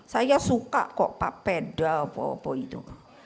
saya suka kok papeda apa apa itu